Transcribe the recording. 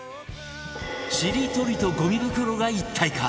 ちりとりとゴミ袋が一体化！